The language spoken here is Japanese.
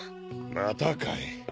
またかい。